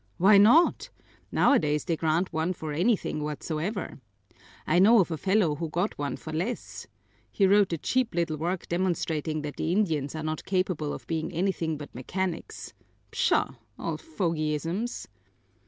"Why not! Nowadays they grant one for anything whatsoever. I know of a fellow who got one for less. He wrote a cheap little work demonstrating that the Indians are not capable of being anything but mechanics. Pshaw, old fogyisms!"